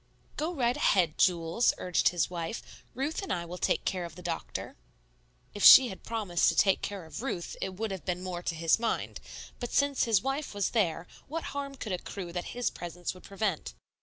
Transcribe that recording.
"Go right ahead, Jules" urged his wife; "Ruth and I will take care of the doctor." If she had promised to take care of Ruth, it would have been more to his mind; but since his wife was there, what harm could accrue that his presence would prevent?